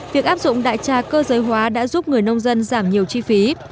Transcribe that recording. việc áp dụng đại trà cơ giới hóa đã giúp người nông dân giảm nhiều chi phí